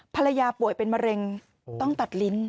ภรรยาป่วยเป็นมะเร็งต้องตัดลิ้น